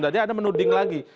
jadi anda menuding lagi